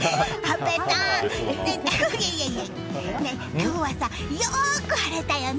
今日はさ、よく晴れたよね！